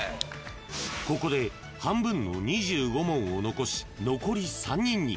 ［ここで半分の２５問を残し残り３人に］